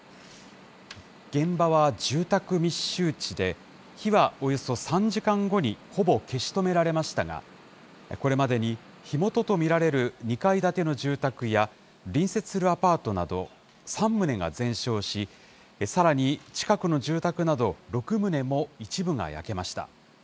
現場は住宅密集地で、火はおよそ３時間後にほぼ消し止められましたが、これまでに火元と見られる２階建ての住宅や、隣接するアパートなど３棟が全焼し、さらに近くの住宅など６棟も一部が焼けました。